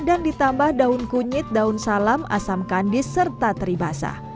dan ditambah daun kunyit daun salam asam kandis serta teri basah